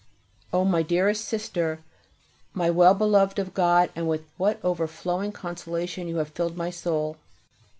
O my dearest Sister, My well beloved of God, with what overflowing consolation you have filled my soul!